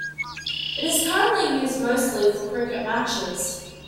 It is currently used mostly for cricket matches.